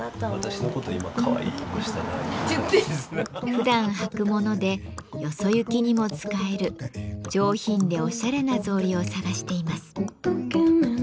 ふだん履くものでよそ行きにも使える上品でおしゃれな草履を探しています。